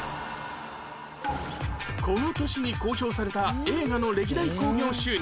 この年に公表された映画の歴代興行収入